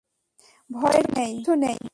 ভয়ের কিচ্ছু নেই!